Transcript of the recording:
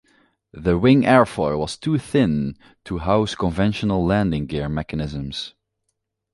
The wing airfoil was too thin to house conventional landing gear mechanisms.